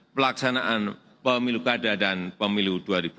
pelaksanaan pemilu kada dan pemilu dua ribu sembilan belas